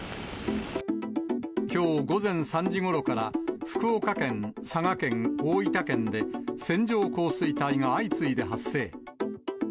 きょう午前３時ごろから、福岡県、佐賀県、大分県で、線状降水帯が相次いで発生。